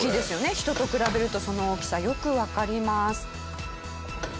人と比べるとその大きさよくわかります。